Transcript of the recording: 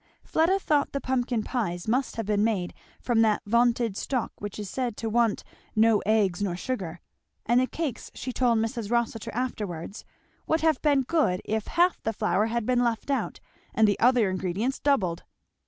Fleda thought the pumpkin pies must have been made from that vaunted stock which is said to want no eggs nor sugar, and the cakes she told Mrs. Rossitur afterwards would have been good if half the flour had been left out and the other ingredients doubled.